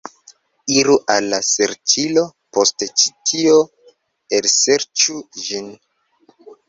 Iru al la serĉilo, post ĉi tio, elserĉu ĝin